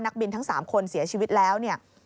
บินทั้ง๓คนเสียชีวิตแล้วเนี่ย